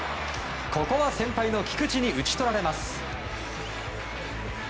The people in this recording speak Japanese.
ここは先輩の菊池に打ち取られます。